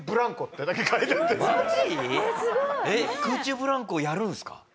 空中ブランコをやるんですか？